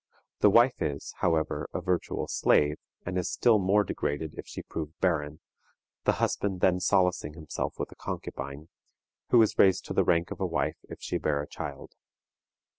The wife is, however, a virtual slave, and is still more degraded if she prove barren, the husband then solacing himself with a concubine, who is raised to the rank of a wife if she bear a child.